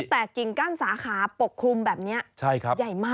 แต่กิ่งกั้นสาขาปกคลุมแบบนี้ใหญ่มาก